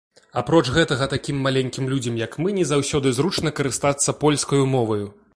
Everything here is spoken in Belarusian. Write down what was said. Апроч гэтага, такім маленькім людзям, як мы, не заўсёды зручна карыстацца польскаю моваю.